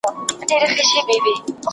علم انسان ته د ښه او بد توپیر ورښيي.